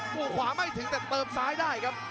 โอ้โหขวาไม่ถึงแต่เติมซ้ายได้ครับ